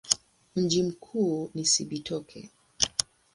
Mji mkuu ni Cibitoke.